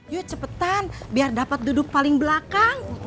yuk cepetan biar dapat duduk paling belakang